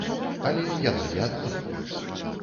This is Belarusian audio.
Але яна не адна.